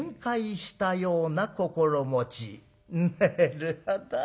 なるほど。